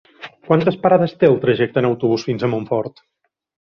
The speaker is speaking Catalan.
Quantes parades té el trajecte en autobús fins a Montfort?